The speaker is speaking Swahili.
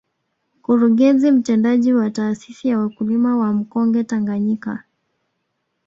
Mkurugenzi Mtendaji wa taasisi ya wakulima wa mkonge Tanganyika